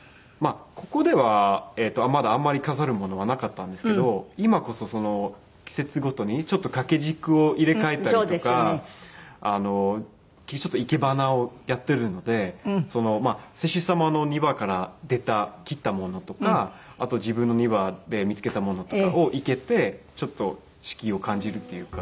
ここではまだあんまり飾るものはなかったんですけど今こそ季節ごとにちょっと掛け軸を入れ替えたりとか生け花をやってるので施主様の庭から出た切ったものとかあと自分の庭で見つけたものとかを生けてちょっと四季を感じるっていうか。